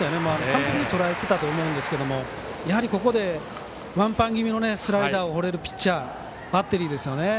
完璧にとらえてたと思うんですがやはり、ここでワンバン気味のスライダーを放れるピッチャーバッテリーですよね。